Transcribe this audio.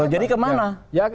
jadi ke mana